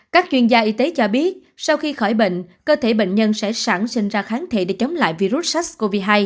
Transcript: các chuyên gia y tế cho biết sau khi khỏi bệnh cơ thể bệnh nhân sẽ sẵn sinh ra kháng thể để chống lại virus sars cov hai